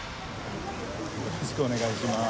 よろしくお願いします。